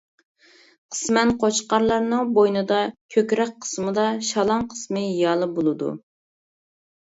قىسمەن قوچقارلارنىڭ بوينىدا، كۆكرەك قىسمىدا شالاڭ قىسمى يالى بولىدۇ.